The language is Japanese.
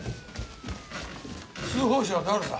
通報者は誰だ？